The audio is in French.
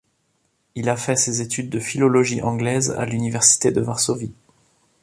Il a fait ses études de philologie anglaise à l’Université de Varsovie.